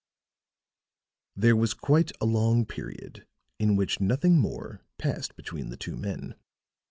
There was quiet a long period in which nothing more passed between the two men.